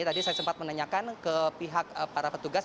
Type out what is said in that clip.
tadi saya sempat menanyakan ke pihak para petugas